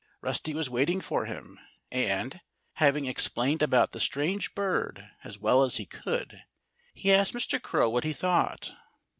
Rusty was waiting for him. And, having explained about the strange bird as well as he could, he asked Mr. Crow what he thought.